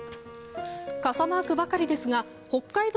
傘マークばかりですが北海道